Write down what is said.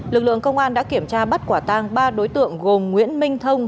lực lượng công an đã kiểm tra bắt quả tang ba đối tượng gồm nguyễn minh thông